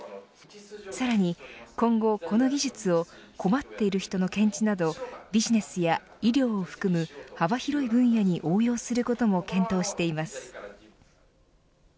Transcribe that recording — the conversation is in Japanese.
さらに今後、この技術を困っている人の検知などビジネスや医療を含む幅広い分野に応用することも検討しています。